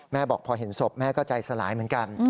บอกพอเห็นศพแม่ก็ใจสลายเหมือนกัน